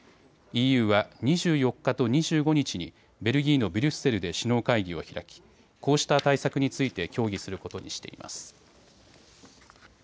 ＥＵは２４日と２５日にベルギーのブリュッセルで首脳会議を開きこうした対策について協議することにしています。